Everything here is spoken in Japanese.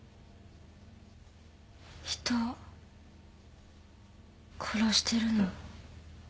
人殺してるの。